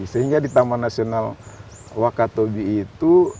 sehingga di taman nasional wakatobi itu